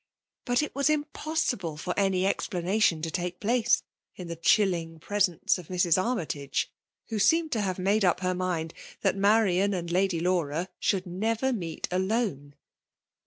But it was impossible for any ejqifauMk* tion to take place in the chilling preseaoe of Mrs. Army tage ; who seemed to have maide np her mind that Marian and Lady Laura should never meet alone.